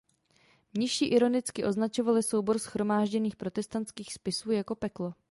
Mniši ironicky označovali soubor shromážděných protestantských spisů jako peklo.